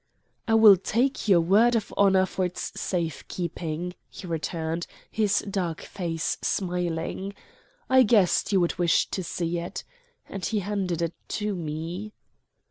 "I will take your word of honor for its safe keeping," he returned, his dark face smiling. "I guessed you would wish to see it." And he handed it to me.